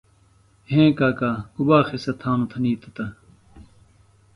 ہیں کاکا گُبا قِصہ تھانوۡ تھنیتوۡ تہ،